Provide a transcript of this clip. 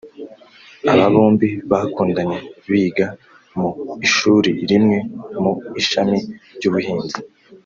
Aba bombi bakundanye biga mu ishuri rimwe mu ishami ry’ubuhinzi